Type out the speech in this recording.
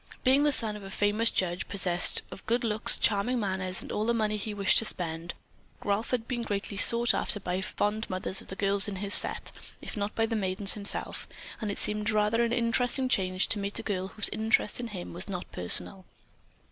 Being the son of a famous judge, possessed of good looks, charming manners and all the money he wished to spend, Ralph had been greatly sought after by the fond mothers of the girls in his set, if not by the maidens themselves, and it seemed rather an interesting change to meet a girl whose interest in him was not personal.